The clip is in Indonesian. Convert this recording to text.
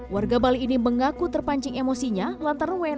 warga bali ini mengaku terpancing emosinya lantaran wna itu mengeluarkan kata kata kasar